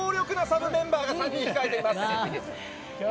この強力なサブメンバーが３人控えています。